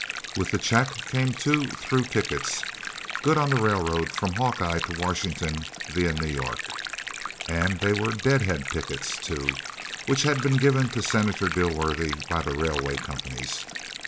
With the check came two through tickets good on the railroad from Hawkeye to Washington via New York and they were "dead head" tickets, too, which had been given to Senator Dilworthy by the railway companies.